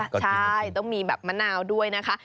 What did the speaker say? ใช่ต้องมีแบบมะนาวด้วยนะคะ